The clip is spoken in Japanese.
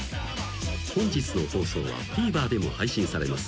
［本日の放送はＴＶｅｒでも配信されます。